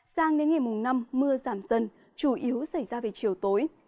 sang đến ngày mùng năm mưa giảm dần chủ yếu xảy ra về chiều tối